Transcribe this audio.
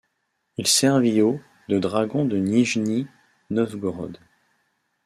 Il servit au de dragons de Nijni Novgorod.